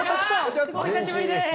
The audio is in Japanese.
お久しぶりです。